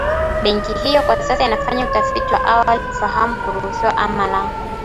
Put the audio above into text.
Benki hiyo kwa sasa inafanya utafiti wa awali kufahamu kuruhusiwa ama la